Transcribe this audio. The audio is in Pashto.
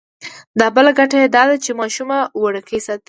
دا بله ګټه یې دا ده چې ماشومه وړوکې ساتي.